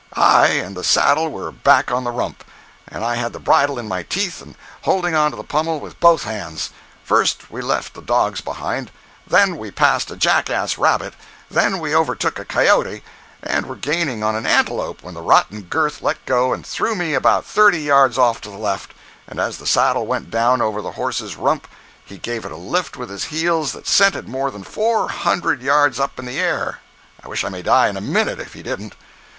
I and the saddle were back on the rump, and I had the bridle in my teeth and holding on to the pommel with both hands. First we left the dogs behind; then we passed a jackass rabbit; then we overtook a cayote, and were gaining on an antelope when the rotten girth let go and threw me about thirty yards off to the left, and as the saddle went down over the horse's rump he gave it a lift with his heels that sent it more than four hundred yards up in the air, I wish I may die in a minute if he didn't.